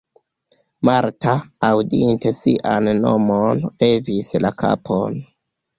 Marta, aŭdinte sian nomon, levis la kapon.